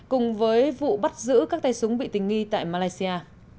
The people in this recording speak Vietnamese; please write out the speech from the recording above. cùng với vụ bắt giữ các tay súng bị tình nghi tại malaysia